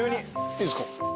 いいですか？